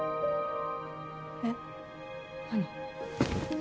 えっ何？